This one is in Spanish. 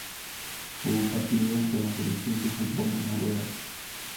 Jugó un partido con la selección de fútbol de Noruega.